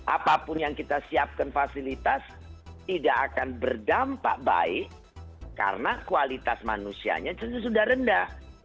apapun yang kita siapkan fasilitas tidak akan berdampak baik karena kualitas manusianya sudah rendah